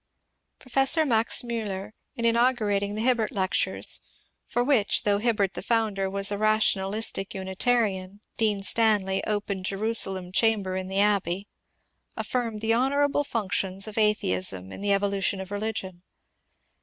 Professor Max Miiller, in inaugurating the Hibbert Lec tures, — for which, though Hibbert the founder was a rational istic Unitarian, Dean Stanley opened Jerusalem Chamber in the Abbey, — affirmed the honourable functions of atheism in the evolution of religion.